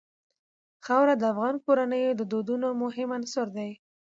خاوره د افغان کورنیو د دودونو مهم عنصر دی.